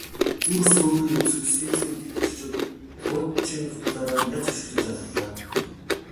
Зүр сөөхий өмсөж сэм сэм гэтэж очоод луучин гутлаараа няц өшиглөж аллаа.